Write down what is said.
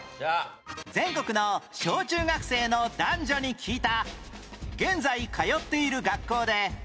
全国の小中学生の男女に聞いた